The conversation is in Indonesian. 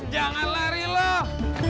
jangan lari loh